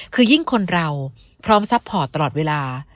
คือยิ่งคนเราพร้อมซัพพอร์ตตลอดเวลา